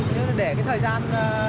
thế nên để cái thời gian